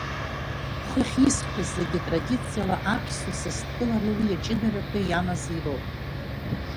Хыхь исҳәаз зегьы традициала аԥсуа сасдкылареи уи аҷыдарақәа иамази роуп.